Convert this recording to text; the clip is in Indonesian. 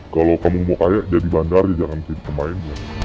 kalau kamu mau kaya jadi bandar ya jangan jadi pemain